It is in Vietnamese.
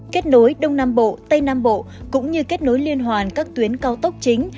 kết nối đông nam bộ tây nam bộ cũng như kết nối liên hoàn các tuyến cao tốc chính